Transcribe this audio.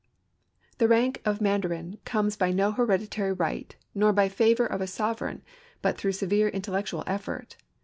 The rank of mandarin comes by no hereditary right, nor by favor of a sovereign, but through severe intellectual effort.